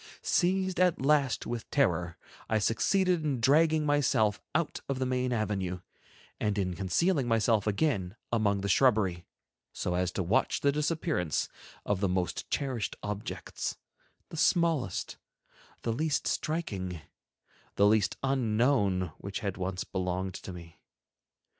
Seized at last with terror, I succeeded in dragging myself out of the main avenue, and in concealing myself again among the shrubbery, so as to watch the disappearance of the most cherished objects, the smallest, the least striking, the least unknown which had once belonged to me.